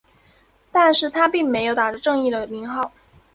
但是他并没有打着正义的名号。